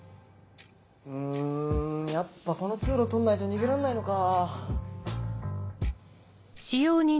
うんやっぱこの通路通んないと逃げらんないのか。